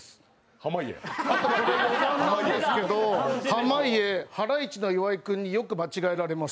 濱家、はらいちの岩井君によく間違えられます。